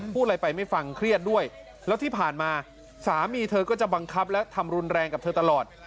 พูดอะไรไปไม่ฟังเครียดด้วยแล้วที่ผ่านมาสามีเธอก็จะบังคับและทำรุนแรงกับเธอตลอด